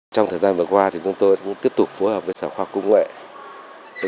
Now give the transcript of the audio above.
trong thời gian vừa qua thì chúng tôi cũng tiếp tục phối hợp với sản khoa công nghệ